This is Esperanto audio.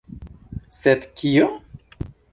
Sed kio?